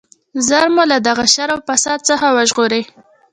ژر مو له دغه شر او فساد څخه وژغورئ.